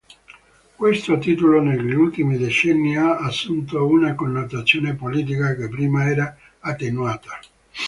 Questo titolo negli ultimi decenni ha assunto una connotazione politica che prima era attenuata.